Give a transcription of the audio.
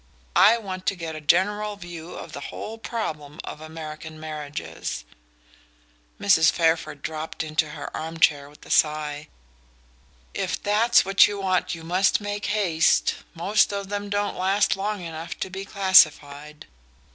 I want to get a general view of the whole problem of American marriages." Mrs. Fairford dropped into her arm chair with a sigh. "If that's what you want you must make haste! Most of them don't last long enough to be classified."